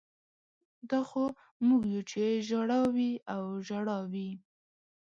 دا خو موږ یو چې ژړا وي او ژړا وي